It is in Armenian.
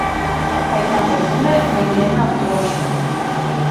Հայտնաբերվում է ռենտգենախտորոշմամբ։